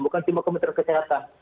bukan cuma kementerian kesehatan